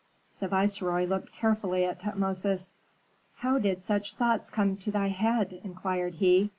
The viceroy looked carefully at Tutmosis. "How did such thoughts come to thy head?" inquired he.